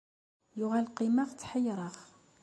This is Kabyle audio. Yuɣal qqimeɣ tḥeyyreɣ.